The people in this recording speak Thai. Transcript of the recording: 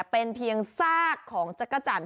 เป็นเพียงซากของจักรจันท